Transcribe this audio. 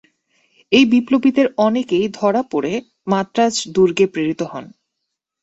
এই বিপ্লবীদের অনেকেই ধরা পড়ে মাদ্রাজ দুর্গে প্রেরিত হন।